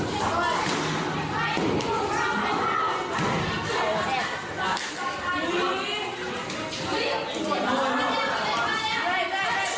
หรือครับ